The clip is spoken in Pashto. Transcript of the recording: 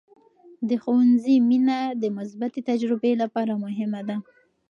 د ښوونځي مینه د مثبتې تجربې لپاره مهمه ده.